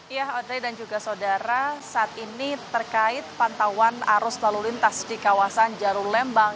ya dan juga saudara saat ini terkait pantauan arus lalu lintas di kawasan jarum lembang